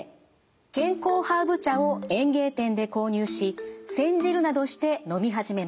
健康ハーブ茶を園芸店で購入し煎じるなどして飲み始めました。